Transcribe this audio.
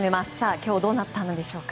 今日はどうなったんでしょうか。